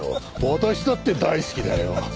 私だって大好きだよ。